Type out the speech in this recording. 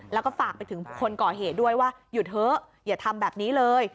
แล้วก็ฝากไปถึงคนก่อเหตุด้วยว่าหยุดเถอะอย่าทำแบบนี้เลย